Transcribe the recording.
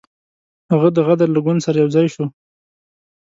هغه د غدر له ګوند سره یو ځای شو.